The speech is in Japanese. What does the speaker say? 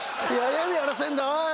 何をやらせんだおい！